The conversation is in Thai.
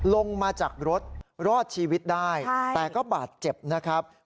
ลงมาจากรถรอดชีวิตได้แต่ก็บาดเจ็บนะครับ